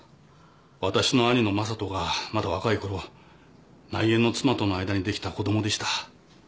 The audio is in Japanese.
わたしの兄の雅人がまだ若いころ内縁の妻との間にできた子供でした。